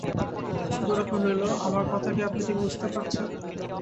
গোরা কহিল, আমার কথা কি আপনি ঠিক বুঝতে পারছেন?